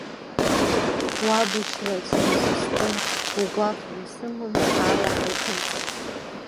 Уабашьра сҽазыскуам, угәаӷгьы сымам, хаала ҳаиԥырҵып!